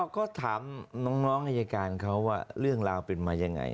ก็ถามน้องอายการเขาว่าเรื่องราวเป็นมายังไง